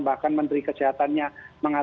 bahkan menteri kesehatannya